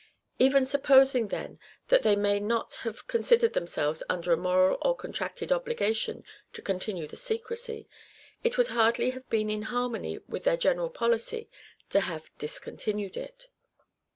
Even supposing, then, that they may not have considered themselves under a moral or contracted obligation to continue the secrecy, it would hardly have been in harmony with their general policy to have discontinued it.